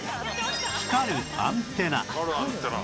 光るアンテナ。